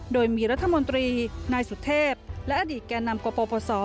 โดยมีรัฐมนตรีนายสุทธิพย์และอดีตแก่นำกระโปรประสอร์